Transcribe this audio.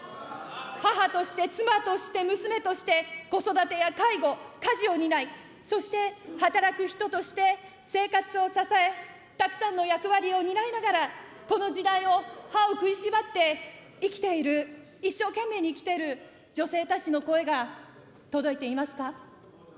母として、妻として、娘として、子育てや介護、家事を担い、そして、働く人として生活を支え、たくさんの役割を担いながら、この時代を歯を食いしばって生きている、一生懸命に生きている女性たちの声が届いていますか。